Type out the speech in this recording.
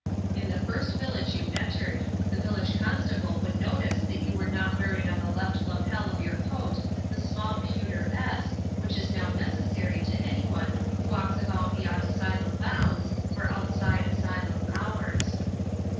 In the first village you entered, the village constable would notice that you were not wearing on the left lapel of your coat the small pewter S which is now necessary to any one who walks about beyond asylum bounds or outside asylum hours."